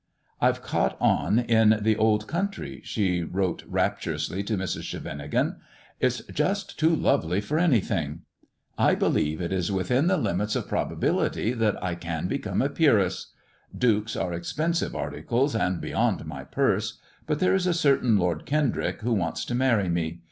" I've caught on in the old country,'* she wrote rap tiu'ously to Mrs. Scheveningen. " It's just too lovely for anything ! I believe it is within the limits of probability that I can become a Peeress. Dukes are expensive articles, and beyond my purse, but there is a certain Lord Kendrick who wants to marry me.